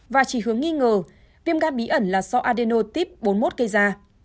và chỉ hướng nghi ngờ viêm gan bí ẩn là do adenotip bốn mươi một gây ra